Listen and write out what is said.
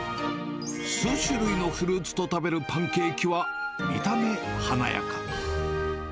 数種類のフルーツと食べるパンケーキは、見た目華やか。